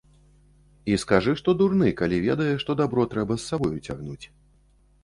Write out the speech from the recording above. І скажы, што дурны, калі ведае, што дабро трэба з сабою цягнуць.